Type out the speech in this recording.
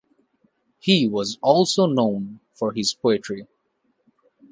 He was also known for his poetry.